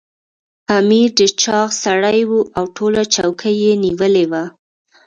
امیر ډېر چاغ سړی وو او ټوله چوکۍ یې نیولې وه.